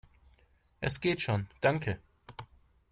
Es geht schon, danke!